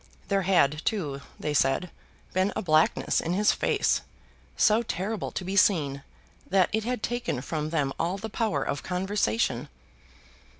There had, too, they said, been a blackness in his face, so terrible to be seen, that it had taken from them all the power of conversation.